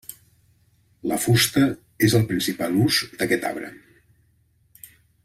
La fusta és el principal ús d'aquest arbre.